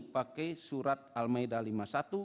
pakai surat al maidah lima puluh satu